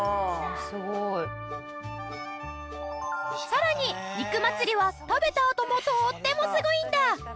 さらに肉祭りは食べたあともとーってもすごいんだ！